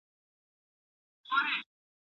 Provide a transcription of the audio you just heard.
ځکه هغه پر الله باور لري.